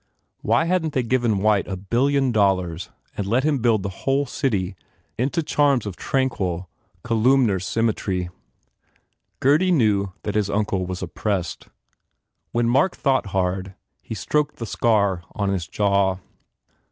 Why hadn t they given White a billion dollars and let him build the whole city into charms of tranquil, columnar symmetry? ... Gurdy knew that his uncle was oppressed. When Mark thought hard he stroked the scar on his jaw.